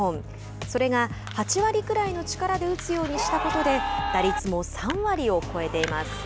それが「８割くらいの力で打つようにした」ことで打率も３割を超えています。